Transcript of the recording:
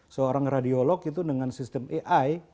seorang radiolog itu dengan sistem ai